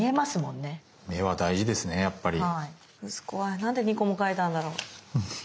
なんで２個も描いたんだろう。